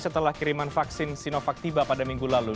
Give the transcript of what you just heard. setelah kiriman vaksin sinovac tiba pada minggu lalu